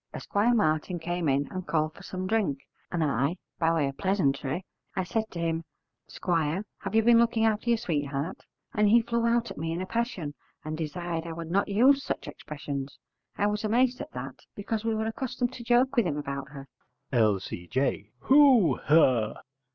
Esquire Martin came in and called for some drink, and I, by way of pleasantry, I said to him, "Squire, have you been looking after your sweetheart?" and he flew out at me in a passion and desired I would not use such expressions. I was amazed at that, because we were accustomed to joke with him about her. L.C.J. Who, her?